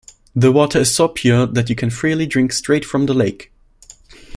The water is so pure, that you can freely drink straight from the lake.